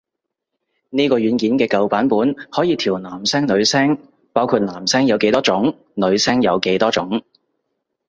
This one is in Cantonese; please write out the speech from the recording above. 呢個軟件嘅舊版本可以調男聲女聲，包括男聲有幾多種女聲有幾多種